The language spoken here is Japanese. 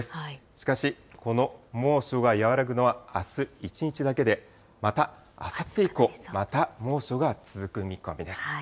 しかしこの猛暑が和らぐのはあす一日だけで、またあさって以降、また猛暑が続く見込みです。